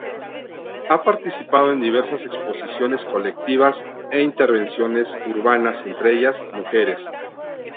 Ha participado en diversas exposiciones colectivas e intervenciones urbanas, entre ellas: "Mujeres".